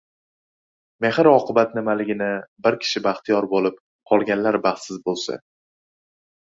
mehr-oqibat nimaligini, bir kishi baxtiyor boʻlib, qolganlar baxtsiz boʻlsa